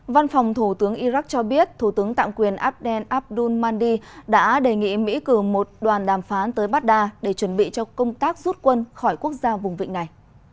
văn phòng thủ tướng iraq cho biết thủ tướng tạm quyền abdel abdul mahdi đã đề nghị mỹ cử một đoàn đàm phán tới baghdad để chuẩn bị cho công tác rút quân khỏi quốc gia vùng vịnh này